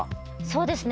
そうですね。